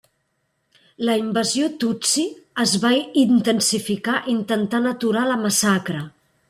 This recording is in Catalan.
La invasió tutsi es va intensificar intentant aturar la massacre.